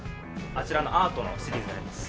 あちらのアートのシリーズにあります。